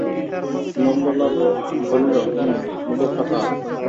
নন্দলাল বলিল হুঁ, মোটরটা কার?